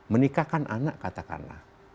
menikahkan anak katakanlah